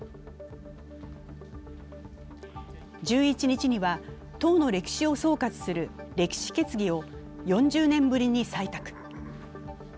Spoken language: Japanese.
１１日には党の歴史を総括する歴史決議を４０年ぶりに採択。